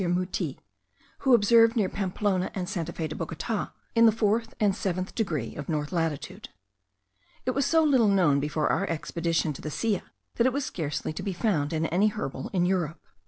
Mutis, who observed it near Pamplona and Santa Fe de Bogota, in the fourth and seventh degree of north latitude. It was so little known before our expedition to the Silla, that it was scarcely to be found in any herbal in Europe.